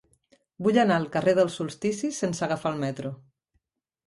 Vull anar al carrer dels Solsticis sense agafar el metro.